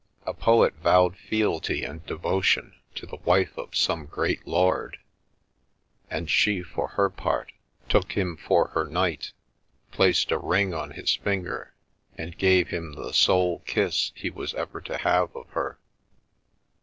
A poet vowed fealty and devotion to the wife of some great lord, and she, for her part, took him for her knight, placed a ring on his finger, and gave him the sole kiss he was ever to have of her.